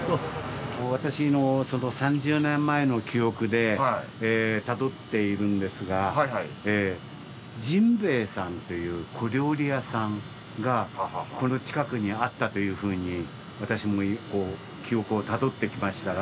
私の３０年前の記憶でたどっているんですが甚兵衛さんという小料理屋さんがこの近くにあったというふうに記憶をたどってきましたら。